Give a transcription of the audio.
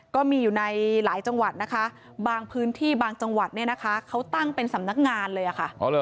ก็มีอยู่ในหลายจังหวัดนะคะบางพื้นที่บางจังหวัดเนี่ยนะคะเขาตั้งเป็นสำนักงานเลยค่ะ